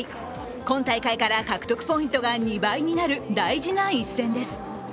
今大会から獲得ポイントが２倍になる大事な一戦です。